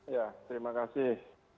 ya terima kasih